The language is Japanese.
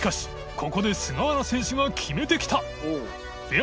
ここで菅原選手が決めてきた礇侫Д